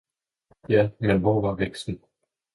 - Ja, men hvor var væksten.